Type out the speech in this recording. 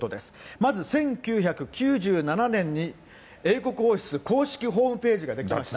まず１９９７年に英国王室公式ホームページが出来ました。